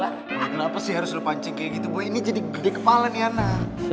ah kenapa sih harus lo pancing kayak gitu boy ini jadi gede kepala nih anak